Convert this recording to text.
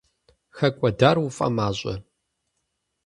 ХэкӀуэдар уфӀэмащӀэ?